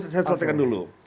saya selesaikan dulu